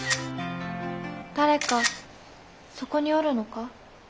誰かそこにおるのか？